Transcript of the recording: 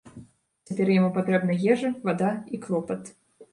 Цяпер яму патрэбна ежа, вада і клопат.